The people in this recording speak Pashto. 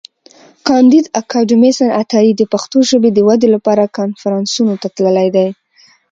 کانديد اکاډميسن عطایي د پښتو ژبي د ودي لپاره کنفرانسونو ته تللی دی.